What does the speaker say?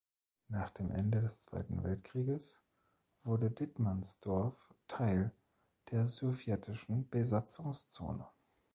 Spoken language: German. Nach dem Ende des Zweiten Weltkrieges wurde Dittmannsdorf Teil der Sowjetischen Besatzungszone.